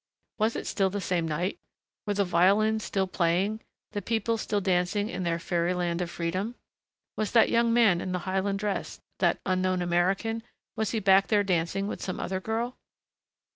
Was it still the same night? Were the violins still playing, the people still dancing in their fairy land of freedom?... Was that young man in the Highland dress, that unknown American, was he back there dancing with some other girl?